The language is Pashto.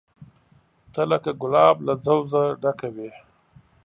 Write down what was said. ته لکه ګلاب له ځوزه ډکه وې